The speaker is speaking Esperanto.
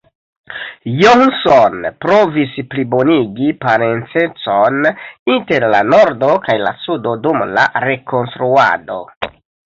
Johnson provis plibonigi parencecon inter la Nordo kaj la Sudo dum la Rekonstruado.